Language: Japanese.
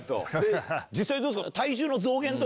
実際どうですか？